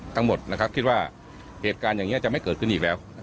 ทั้งหมดนะครับคิดว่าเหตุการณ์อย่างนี้จะไม่เกิดขึ้นอีกแล้ว